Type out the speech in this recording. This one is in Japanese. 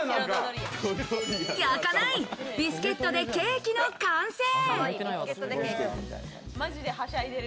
焼かないビスケットでケーキの完成。